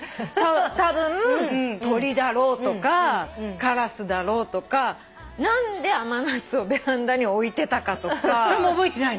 「たぶん鳥だろう」とか「カラスだろう」とか「何で甘夏をベランダに置いてたか」とか。それも覚えてないの？